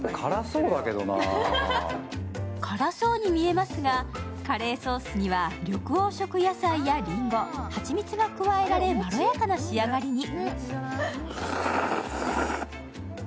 辛そうに見えますが、カレーソースには緑黄色野菜やりんご、蜂蜜が加えられ、まろやかな仕上がりに。